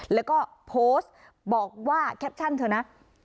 แล้วก็โพสต์บอกว่าแคปชั่นเธอนะ